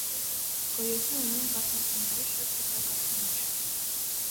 Գոյություն ունեն կաթնասունների շատ դասակարգումներ։